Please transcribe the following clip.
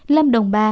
lâm đồng ba